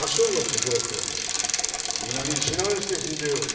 皆に指南して進ぜよう。